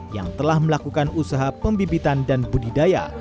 yang telah melakukan usaha pembibitan dan budidaya